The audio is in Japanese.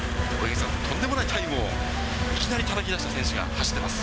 とんでもないタイムをいきなりたたき出した選手が走ってます。